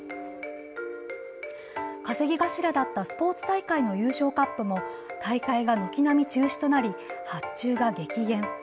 稼ぎ頭だったスポーツ大会の優勝カップも大会が軒並み中止となり発注が激減。